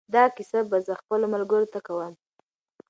دا کیسه به زه خپلو ملګرو ته کوم.